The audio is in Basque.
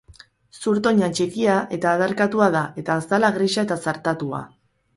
Zurtoina txikia eta adarkatua da, eta azala grisa eta zartatua.